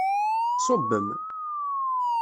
Ṣṣubem!